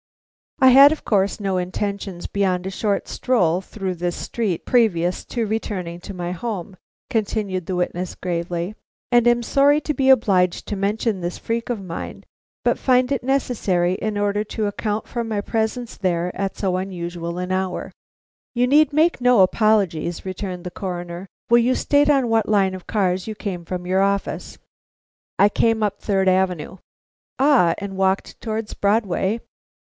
"I had of course no intentions beyond a short stroll through this street previous to returning to my home," continued the witness, gravely; "and am sorry to be obliged to mention this freak of mine, but find it necessary in order to account for my presence there at so unusual an hour." "You need make no apologies," returned the Coroner. "Will you state on what line of cars you came from your office?" "I came up Third Avenue." "Ah! and walked towards Broadway?"